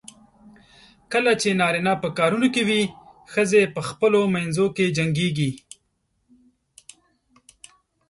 کله چې نارینه په کارونو کې وي، ښځې په خپلو منځو کې جنګېږي.